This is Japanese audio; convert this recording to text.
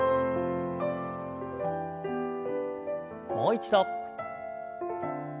もう一度。